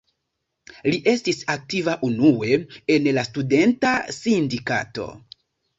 Li estis aktiva unue en la studenta sindikato.